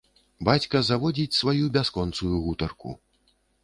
Бацька заводзіць сваю бясконцую гутарку.